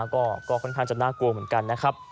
ก็ค่อนข้างจะน่ากลัวเหมือนกันนะครับ